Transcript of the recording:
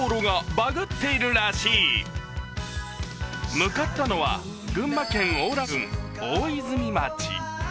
向かったのは群馬県邑楽郡大泉町。